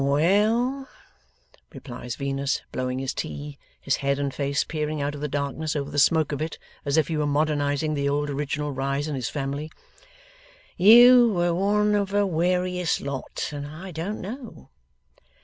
'Well,' replies Venus, blowing his tea: his head and face peering out of the darkness, over the smoke of it, as if he were modernizing the old original rise in his family: 'you were one of a warious lot, and I don't know.